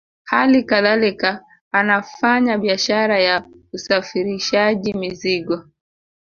Hali kadhalika anafanya biashara ya usafirishaji mizigo